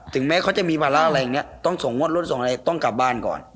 แม้เขาจะมีวาระอะไรอย่างนี้ต้องส่งงวดรถส่งอะไรต้องกลับบ้านก่อน